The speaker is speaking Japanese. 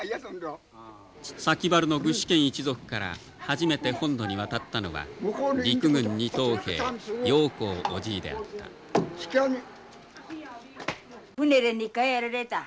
崎原の具志堅一族から初めて本土に渡ったのは陸軍二等兵用高お爺であった船で２回やられた。